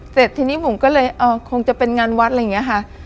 เสร็จทีนี้บุ๋มก็เลยคงจะเป็นงานวัดอะไรอย่างนี้ค่ะ